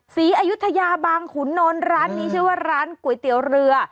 อายุทยาบางขุนนท์ร้านนี้ชื่อว่าร้านก๋วยเตี๋ยวเรือ